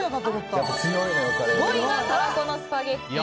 ５位がたらこのスパゲッティ。